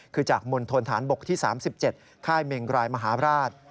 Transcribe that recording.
คือจากมณฑนฐานบกที่๓๗ค่ายเมงรายมหาราช